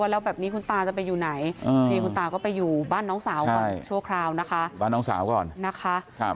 ว่าแล้วแบบนี้คุณตาจะไปอยู่ไหนคุณตาก็ไปอยู่บ้านน้องสาวก่อนชั่วคราวนะคะ